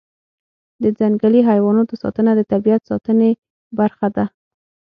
د ځنګلي حیواناتو ساتنه د طبیعت ساتنې برخه ده.